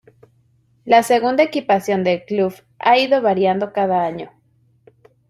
La segunda equipación del club ha ido variando cada año.